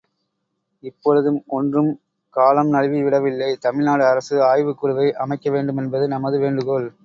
இப்பொழுதும் ஒன்றும் காலம் நழுவி விடவில்லை தமிழ்நாடு அரசு ஆய்வுக்குழுவை அமைக்க வேண்டுமென்பது நமது வேண்டுகோள்.